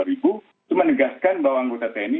itu menegaskan bahwa anggota tni